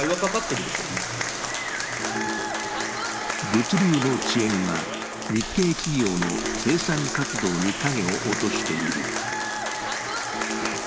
物流の遅延は日系企業の生産活動に影を落としている。